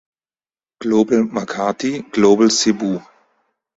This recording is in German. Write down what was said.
Global Makati (Global Cebu)